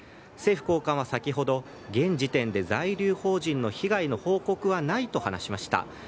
政府高官は先ほど現時点で在留邦人の被害の報告はないと話しました。